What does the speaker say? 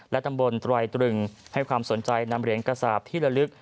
ตำบลตรายตรึงให้ความสนใจนำเหรียญกระสาปที่ละลึก